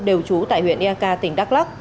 đều trú tại huyện iak tỉnh đắk lắk